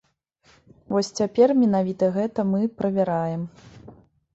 Вось цяпер менавіта гэта мы правяраем.